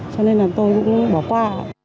cho nên là tôi cũng bỏ qua